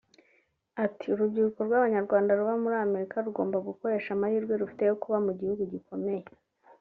Ati “ Urubyiruko rw’Abanyarwanda ruba muri Amerika rugomba gukoresha amahirwe rufite yo kuba mu gihugu gikomeye